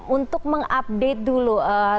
untuk mengupdate dulu